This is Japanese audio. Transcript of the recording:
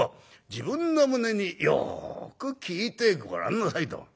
自分の胸によく聞いてごらんなさい』と」。